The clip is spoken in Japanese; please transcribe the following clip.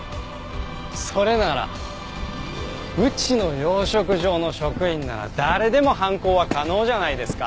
それならうちの養殖場の職員なら誰でも犯行は可能じゃないですか。